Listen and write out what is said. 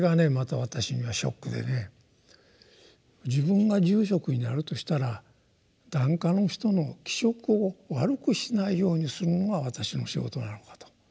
自分が住職になるとしたら檀家の人の気色を悪くしないようにするのが私の仕事なのかと。